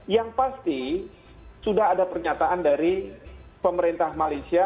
yang pasti sudah ada pernyataan dari pemerintah malaysia